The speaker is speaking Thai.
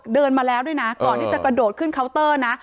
เดินมาแล้วด้วยนะก่อนที่จะกระโดดขึ้นเคาน์เตอร์นะ